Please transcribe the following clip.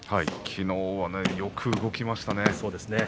昨日はよく動きましたね。